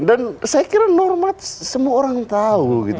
dan saya kira normat semua orang tahu gitu